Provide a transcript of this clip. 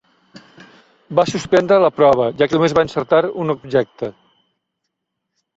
Va suspendre la prova, ja que només va encertar un objecte.